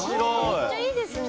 めっちゃいいですね。